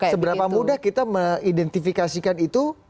seberapa mudah kita mengidentifikasikan itu